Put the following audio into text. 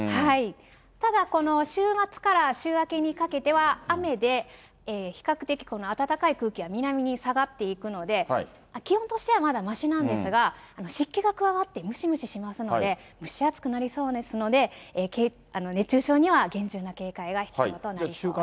ただこの週末から週明けにかけては雨で、比較的この暖かい空気は南に下がっていくので、気温としてはまだましなんですが、湿気が加わってムシムシしますので、蒸し暑くなりそうですので、熱中症には厳重な警戒が必要となりそうです。